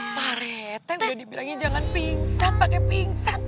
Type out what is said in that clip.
pak rite udah dibilangin jangan pingsan pakai pingsan